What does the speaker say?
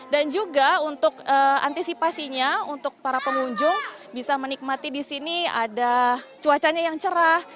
juga untuk antisipasinya untuk para pengunjung bisa menikmati di sini ada cuacanya yang cerah